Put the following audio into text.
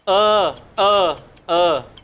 เออเออเออ